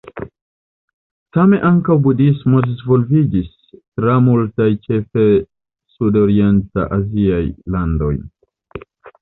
Same ankaŭ Budhismo disvastiĝis tra multaj ĉefe sudorienta aziaj landoj.